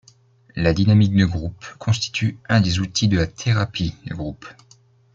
La dynamique de groupe constitue un des outils de la thérapie de groupe.